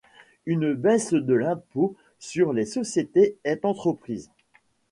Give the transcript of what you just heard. Une baisse de l'impôt sur les sociétés est entreprise.